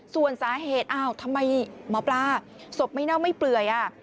ส่วนสาเหตุอ้าวทำไมหมอปลาศพไม่เน่าไม่เปื่อย